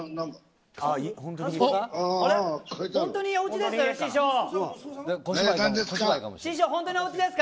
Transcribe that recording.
本当におうちですか、師匠。